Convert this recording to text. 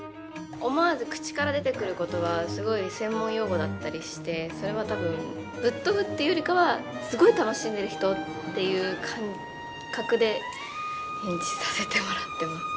思わず口から出てくる言葉はすごい専門用語だったりしてそれは多分ぶっ飛ぶっていうよりかはすごい楽しんでる人っていう感覚で演じさせてもらってます。